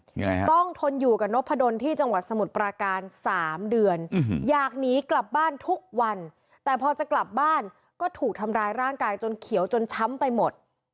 ยังไงฮะต้องทนอยู่กับนกพะดนที่จังหวัดสมุทรปราการสามเดือนอยากหนีกลับบ้านทุกวันแต่พอจะกลับบ้านก็ถูกทำร้ายร่างกายจนเขียวจนช้ำไปหมด